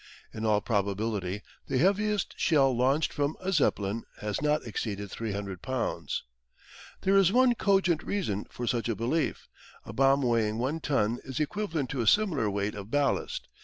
In all probability the heaviest shell launched from a Zeppelin has not exceeded 300 pounds. There is one cogent reason for such a belief. A bomb weighing one ton is equivalent to a similar weight of ballast.